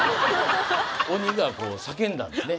鬼がこう叫んだんですね。